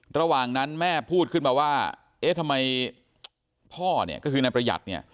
ระหว่างนั้นแม่พูดขึ้นมาว่าเอ๊ะทำไมพ่อเนี่ยก็คือนายประหยัดเนี่ย